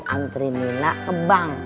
antri nina ke bank